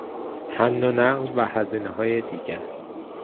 حمل و نقل و هزینههای دیگر